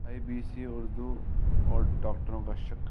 ی B C Urdu اور ڈاکٹروں کا شکری